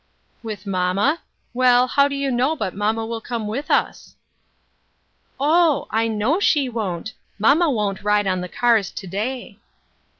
" With mamma ? Well, how do you know but mamma will come with us ?"" Oh ! I know she won't ; mamma won't ride on the cars to day."